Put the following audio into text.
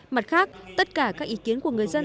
mặt khác tất cả các ý kiến của người dân